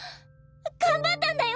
頑張ったんだよ！